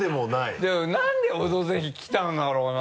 じゃあ何で「オドぜひ」来たんだろうな。